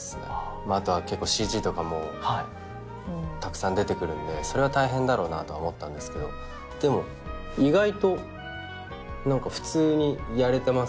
まああとは結構ＣＧとかもたくさん出てくるんでそれは大変だろうなとは思ったんですけどでも意外と何か普通にやれてます